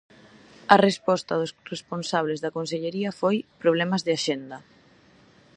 A resposta dos responsables da consellería foi "problemas de axenda".